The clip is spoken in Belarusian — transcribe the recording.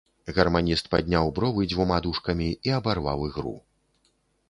Гарманіст падняў бровы дзвюма дужкамі і абарваў ігру.